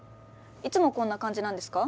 いつもこんな感じなんですか？